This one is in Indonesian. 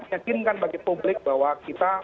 meyakinkan bagi publik bahwa kita